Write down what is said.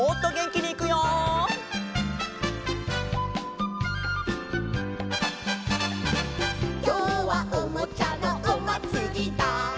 「きょうはおもちゃのおまつりだ」